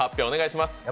お願いします。